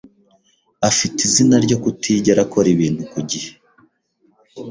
afite izina ryo kutigera akora ibintu ku gihe.